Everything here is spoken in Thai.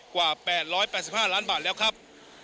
กว่า๘๘๕ล้านบาทแล้วครับ